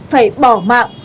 phải bỏ mạng